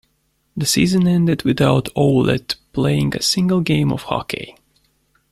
The season ended without Ouellet playing a single game of hockey.